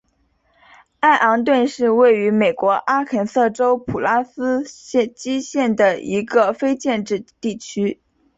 艾昂顿是位于美国阿肯色州普拉斯基县的一个非建制地区。